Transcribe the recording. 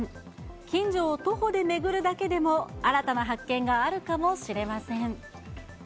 近所を徒歩で巡るだけでも新たな発見があるかもしれません。